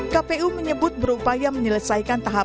kpu menyebut berupaya menyelesaikan tahapan